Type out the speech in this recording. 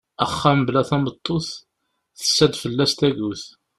Axxam bla tameṭṭut tessa-d fell-as tagut.